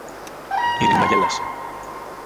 Η Ειρηνούλα γέλασε.